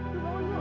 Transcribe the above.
ibu bangun ibu